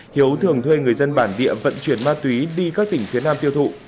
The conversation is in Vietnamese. hiếu thường thuê người dân bản địa vận chuyển ma túy đi các tỉnh phía nam tiêu thụ